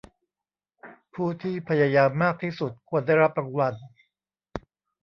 ผู้ที่พยายามมากที่สุดควรได้รับรางวัล